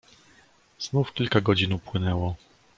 "Znów kilka godzin upłynęło."